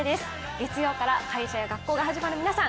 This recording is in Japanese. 月曜から会社や学校が始まる皆さん